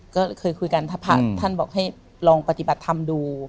ก็เคยคุยกันถ้าพระท่านบอกให้ลองปฏิบัติธรรมดู